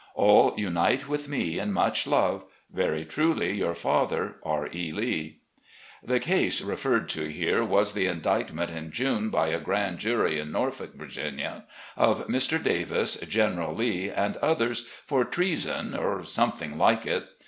All unite with me in much love. "Very truly, yom father, "R. E. Lee." The "case" referred to here was the indictment in June by a grand jury in Norfolk, Virginia, of Mr. Davis, General Lee, and others, for treason or something like it.